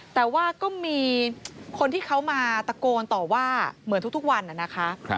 แต่ว่าก็มีคนที่เขามาตะโกนต่อว่าเหมือนทุกวันนะคะ